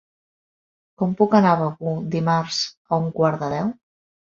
Com puc anar a Begur dimarts a un quart de deu?